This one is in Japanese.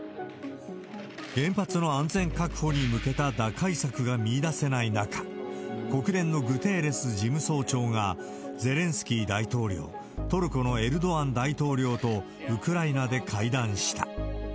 原発の安全確保に向けた打開策が見いだせない中、国連のグテーレス事務総長が、ゼレンスキー大統領、トルコのエルドアン大統領と、ウクライナで会談した。